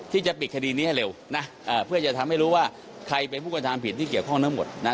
ที่จะปิดคดีนี้ให้เร็วนะเพื่อจะทำให้รู้ว่าใครเป็นผู้กระทำผิดที่เกี่ยวข้องทั้งหมดนะ